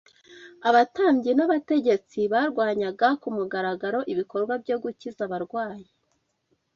Abatambyi n’abategetsi barwanyaga ku mugaragaro ibikorwa byo gukiza abarwayi